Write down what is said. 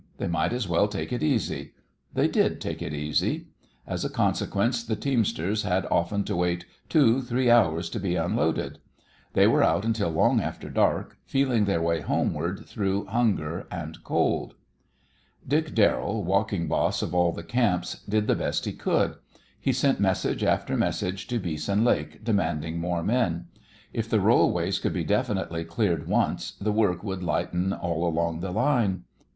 They might as well take it easy. They did take it easy. As a consequence the teamsters had often to wait two, three hours to be unloaded. They were out until long after dark, feeling their way homeward through hunger and cold. Dick Darrell, walking boss of all the camps, did the best he could. He sent message after message to Beeson Lake demanding more men. If the rollways could be definitely cleared once, the work would lighten all along the line.